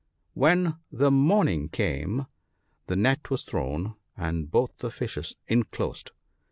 " When the morning came, the net was thrown, and both the fishes inclosed.